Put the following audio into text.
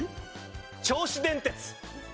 銚子電鉄。